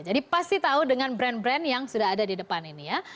jadi pasti tahu dengan brand brand yang sudah ada di depan ini ya